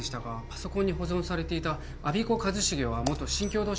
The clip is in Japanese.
パソコンに保存されていた我孫子和重は元新京堂